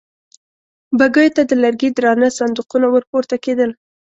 بګيو ته د لرګي درانه صندوقونه ور پورته کېدل.